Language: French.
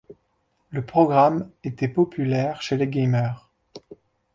Le programme était populaire chez les gamers.